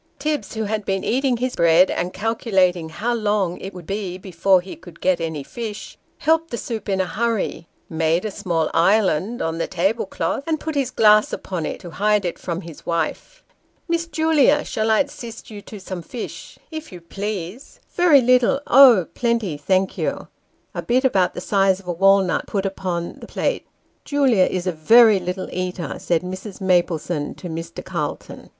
Tibbs, who had been eating his bread, and calculating how long it would be before ho should get any fish, helped the soup in a hurry, made a small island on the table cloth, and put his glass upon it, to hide it from his wife. " Miss Julia, shall I assist you to some fish ?"" If you please very little oh ! plenty, thank you " (a bit about the size of a walnut put upon the plate). " Julia is a very little eater," said Mrs. Maplesone to Mr. Calton.